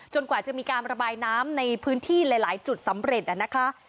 กว่าจะมีการระบายน้ำในพื้นที่หลายจุดสำเร็จนะคะ